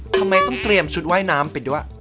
ทำไมต้องเตรียมชุดว่ายน้ำไปด้วย